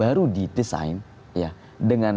baru didesain dengan